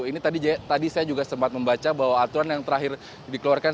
ini tadi saya juga sempat membaca bahwa aturan yang terakhir dikeluarkan